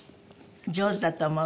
上手だと思う？